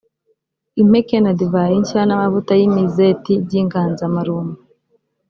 impeke na divayi nshya, n’amavuta y’imizeti by’inganzamarumbu